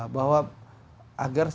bahwa agar segera